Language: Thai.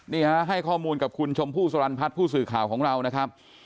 นี่ฮะให้ข้อมูลกับคุณชมพู่สรรพัฒน์ผู้สื่อข่าวของเรานะครับ